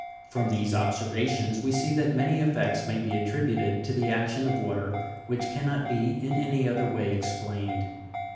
From these observations, we see that many effects may be attributed to the action of water which cannot be in any other way explained.